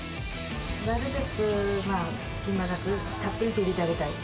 なるべく隙間なくたっぷりと入れてあげたい。